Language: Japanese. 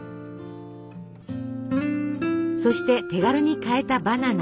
そして手軽に買えたバナナ。